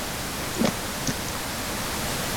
鸻刺缘吸虫为棘口科刺缘属的动物。